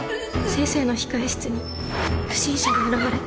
先生の控室に不審者が現れて